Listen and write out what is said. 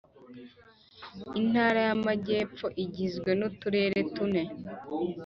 Intara y Amajyepfo igizwe nuturere tune